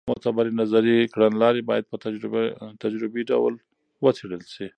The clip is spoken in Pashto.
معتبرې نظري کړنلارې باید په تجربي ډول وڅېړل سي.